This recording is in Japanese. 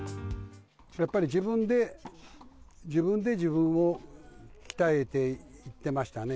やっぱり自分で、自分で自分を鍛えていってましたね。